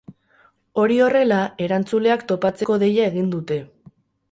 Hori horrela, erantzuleak topatzeko deia egin dute.